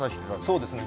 そうですね。